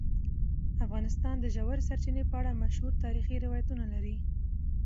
افغانستان د ژورې سرچینې په اړه مشهور تاریخی روایتونه لري.